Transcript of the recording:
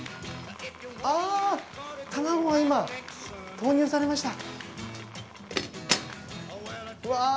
あ卵が今投入されました。